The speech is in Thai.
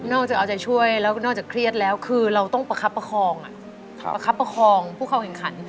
นอกจากเอาใจช่วยแล้วนอกจากเครียดแล้วคือเราต้องประคับประคองอะ